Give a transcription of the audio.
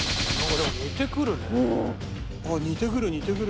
これ似てくるね。